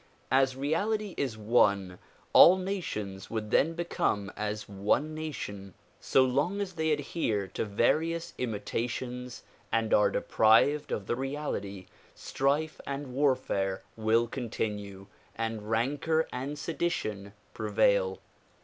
As reality is one, all nations would then become as one nation. So long as they adhere to various imitations and are deprived of the reality, strife and warfare will continue and rancor and sedition prevail.